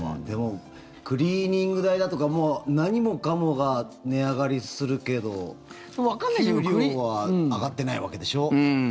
でもクリーニング代だとか何もかもが値上がりするけど給料は上がってないわけでしょ。